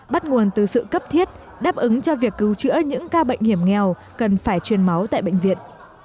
bắt nguồn từ sự cấp thiết đáp ứng cho việc cứu chữa những ca bệnh hiểm nghèo cần phải truyền máu tại bệnh viện